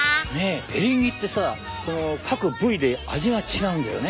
エリンギってさ各部位で味が違うんだよね。